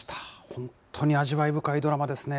本当に味わい深いドラマですね。